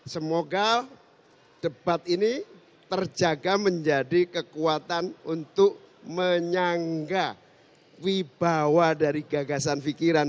semoga debat ini terjaga menjadi kekuatan untuk menyangga wibawa dari gagasan pikiran